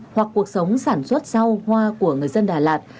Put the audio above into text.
hoặc cuộc sống sản xuất rau hoa của người dân đà lạt